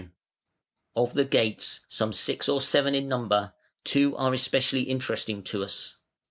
] Of the gates, some six or seven in number, two are especially interesting to us.